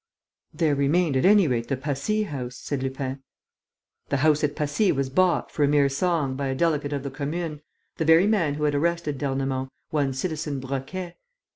"There remained, at any rate, the Passy house," said Lupin. "The house at Passy was bought, for a mere song, by a delegate of the Commune, the very man who had arrested d'Ernemont, one Citizen Broquet.